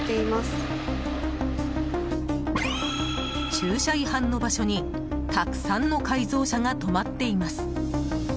駐車違反の場所にたくさんの改造車が止まっています。